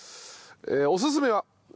おすすめは。